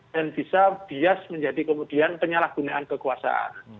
dan bisa bias menjadi kemudian penyalahgunaan kekuasaan